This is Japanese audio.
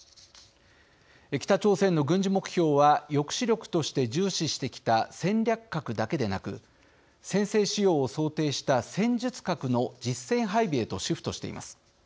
北朝鮮の軍事目標は抑止力として重視してきた戦略核だけでなく先制使用を想定した戦術核の実戦配備へとシフトしています。